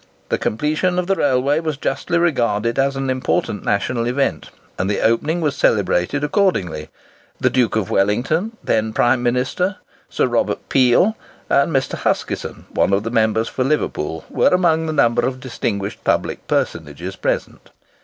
The completion of the railway was justly regarded as an important national event, and the opening was celebrated accordingly. The Duke of Wellington, then Prime Minister, Sir Robert Peel, and Mr. Huskisson, one of the members for Liverpool, were among the number of distinguished public personages present.